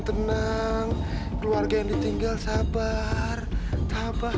gimana kalau winesa yang k sriimizu cukup baik